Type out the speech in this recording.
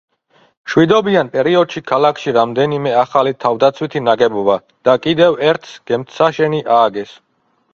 მშვიდობიან პერიოდში ქალაქში რამდენიმე ახალი თავდაცვითი ნაგებობა და კიდევ ერთს გემთსაშენი ააგეს.